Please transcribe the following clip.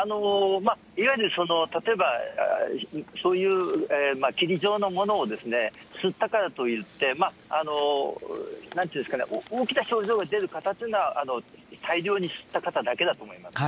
いわゆる例えば、そういう霧状のものを吸ったからといって、なんていうんでしょうかね、大きな症状が出る方というのは、大量に吸った方だと思います。